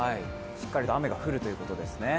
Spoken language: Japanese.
しっかりと雨が降るということですね。